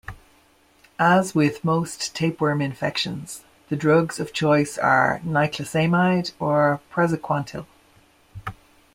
As with most tapeworm infections, the drugs of choice are niclosamide or praziquantel.